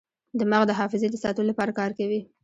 دماغ د حافظې د ساتلو لپاره کار کوي.